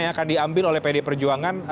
yang akan diambil oleh pd perjuangan